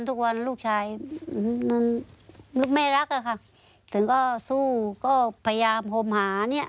ลูกชายไม่รักอะค่ะถึงก็สู้ก็พยายามห่มหาเนี่ย